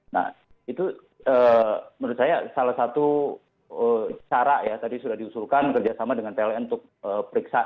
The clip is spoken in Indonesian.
nah itu menurut saya salah satu cara ya tadi sudah diusulkan kerjasama dengan pln untuk periksa